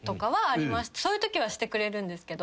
そういうときはしてくれるんですけど。